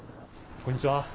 こんにちは。